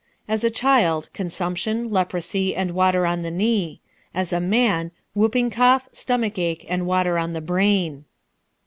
As a child, consumption, leprosy, and water on the knee. As a man, whooping cough, stomach ache, and water on the brain.